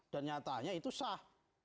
dan nyatanya itu sah